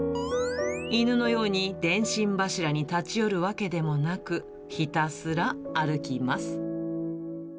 犬のように電信柱に立ち寄るわけでもなく、ひたすら歩きます。